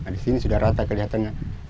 di sini sudah rata kelihatannya